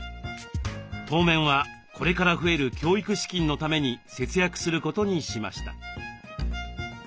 当面はこれから増える教育資金のために節約することにしました。